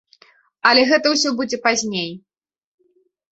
Але гэта ўсё будзе пазней.